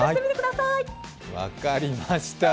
分かりました。